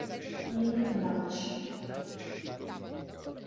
In Dutch